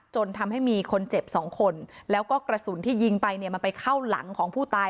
จนทำให้มีคนเจ็บสองคนแล้วก็กระสุนที่ยิงไปเนี่ยมันไปเข้าหลังของผู้ตาย